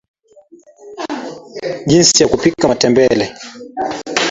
jinsi ya kupika majtembele